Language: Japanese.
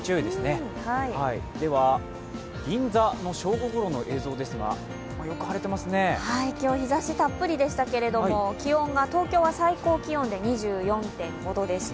では銀座の正午ごろの映像ですが今日、日ざしたっぷりでしたが気温が東京は最高気温で２４．５度でした。